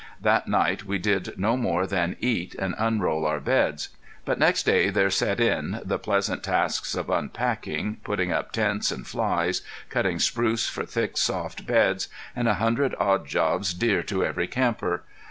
That night we did no more than eat and unroll our beds. But next day there set in the pleasant tasks of unpacking, putting up tents and flies, cutting spruce for thick, soft beds, and a hundred odd jobs dear to every camper.